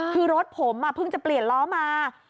คือรถผมเพิ่งจะเปลี่ยนล้อมา